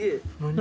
何？